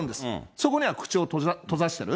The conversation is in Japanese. そこには口を閉ざしてる。